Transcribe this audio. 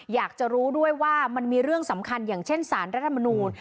อยากจะรู้ด้วยว่ามันมีเรื่องสำคัญอย่างเช่นสารรัฐมนูล